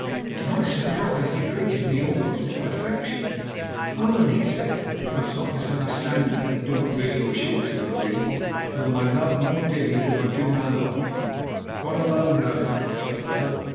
To my surprise he greeted me almost with affection. "Allan," he said, "you must not misunderstand me. I do not really wish ill to Marie, whom I love more dearly than I do my life; God alone knows how much I love her.